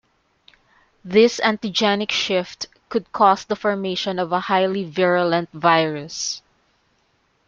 This antigenic shift could cause the formation of a highly virulent virus.